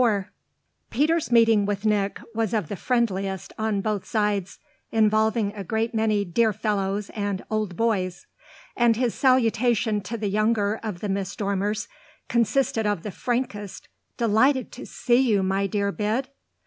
IV Peter's meeting with Nick was of the friendliest on both sides, involving a great many "dear fellows" and "old boys," and his salutation to the younger of the Miss Dormers consisted of the frankest "Delighted to see you, my dear Bid!"